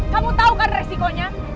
kamu tau kan resikonya